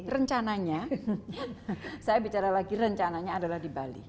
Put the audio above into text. rencananya saya bicara lagi rencananya adalah di bali